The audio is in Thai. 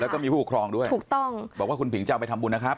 แล้วก็มีผู้ปกครองด้วยถูกต้องบอกว่าคุณผิงจะเอาไปทำบุญนะครับ